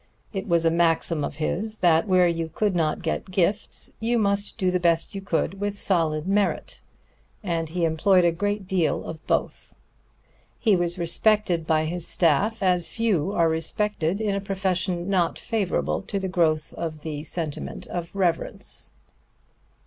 It was a maxim of his that where you could not get gifts, you must do the best you could with solid merit; and he employed a great deal of both. He was respected by his staff as few are respected in a profession not favorable to the growth of the sentiment of reverence.